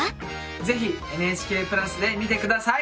ぜひＮＨＫプラスで見て下さい！